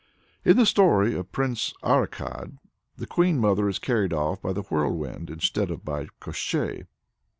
In the story of "Prince Arikad," the Queen Mother is carried off by the Whirlwind, instead of by Koshchei.